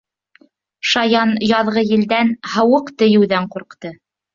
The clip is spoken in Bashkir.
Шаян яҙғы елдән, һыуыҡ тейеүҙән ҡурҡты.